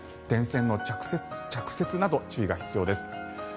電線の着雪など注意が必要です。